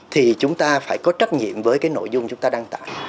thì chúng ta phải có trách nhiệm với cái nội dung chúng ta đăng tải